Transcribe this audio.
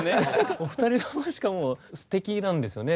お二人ともしかもすてきなんですよね。